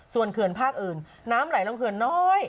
ส่วนเขื่อนภาคอื่นน้ำไหลลงเขื่อนน้อย